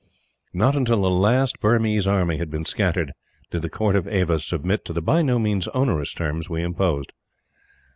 Not until the last Burmese army had been scattered did the court of Ava submit to the by no means onerous terms we imposed.